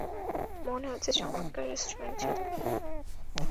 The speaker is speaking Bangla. মনে হচ্ছে চমৎকার রেস্টুরেন্ট ছিল।